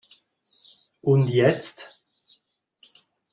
Und jetzt?